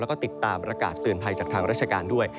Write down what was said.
แล้วก็ติดตามประกาศเตือนภัยจากทางราชการด้วย